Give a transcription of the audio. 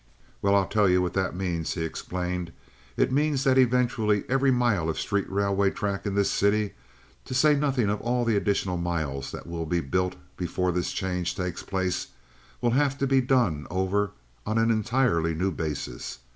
"Well, I'll tell you what that means," he explained. "It means that eventually every mile of street railway track in this city—to say nothing of all the additional miles that will be built before this change takes place—will have to be done over on an entirely new basis.